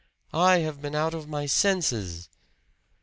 "I have been out of my senses!"